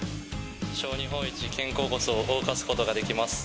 自称、日本一肩甲骨を動かすことができます。